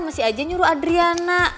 masih aja nyuruh adriana